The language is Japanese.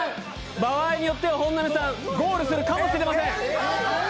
場合によっては本並さんゴールするかもしれません。